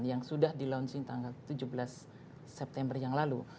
yang sudah di launching tanggal tujuh belas september yang lalu